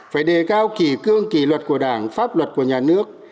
phải đề cao kỳ cương kỳ luật của đảng pháp luật của nhà nước